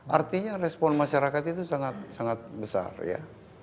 artinya respon masyarakat itu sangat sangat besar ya